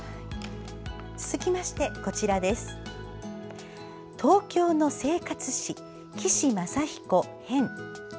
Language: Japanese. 続きまして「東京の生活史」岸政彦編。